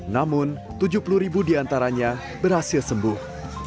namun tujuh puluh ribu di antaranya berhasil sembuh